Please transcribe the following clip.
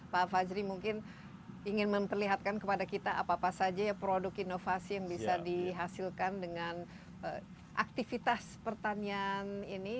pak fajri mungkin ingin memperlihatkan kepada kita apa apa saja produk inovasi yang bisa dihasilkan dengan aktivitas pertanian ini